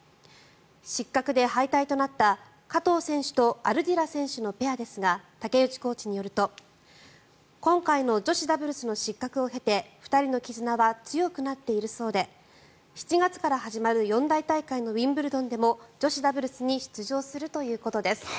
失格で敗退となった加藤選手とアルディラ選手のペアですが竹内コーチによると今回の女子ダブルスの失格を経て２人の絆は強くなっているそうで７月から始まる四大大会のウィンブルドンでも女子ダブルスに出場するということです。